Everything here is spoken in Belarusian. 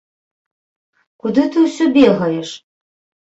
Куды ты ўсё бегаеш?